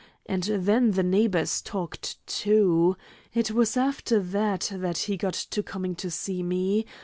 And then the neighbors talked too. It was after that that he got to coming to see me.